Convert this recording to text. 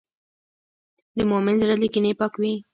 د مؤمن زړه له کینې پاک وي.